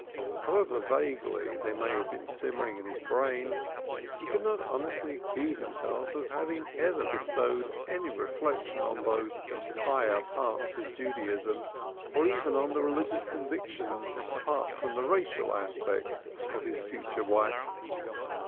However vaguely they might have been simmering in his brain, he could not honestly accuse himself of having ever bestowed any reflection on "the higher parts of Judaism" or even on the religious convictions apart from the racial aspects of his future wife.